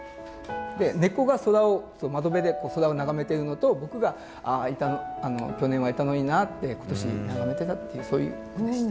猫が空を窓辺で空を眺めてるのと僕が「ああ去年はいたのにな」って今年眺めてたっていうそういう句でした。